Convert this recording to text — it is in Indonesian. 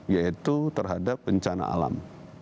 yaitu terhadap bencana alam